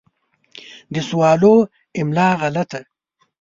د سوالو املا غلطه